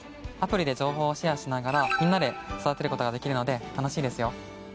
アプリで情報をシェアしながらみんなで育てることができるので楽しいですよ。